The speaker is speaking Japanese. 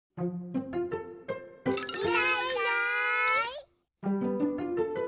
いないいない。